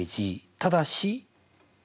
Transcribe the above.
ただし。